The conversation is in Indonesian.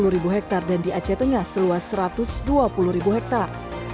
rp satu ratus dua puluh hektar dan di aceh tengah seluas rp satu ratus dua puluh hektar